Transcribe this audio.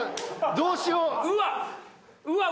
どうしよう？うわ。